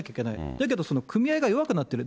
だけどその組合が弱くなっている。